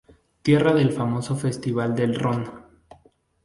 Tierra del famoso Festival del Ron.